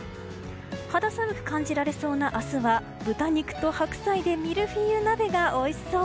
肌寒く感じられそうな明日は豚肉と白菜でミルフィーユ鍋がおいしそう！